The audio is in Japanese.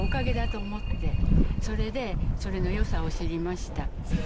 それでそれのよさを知りました。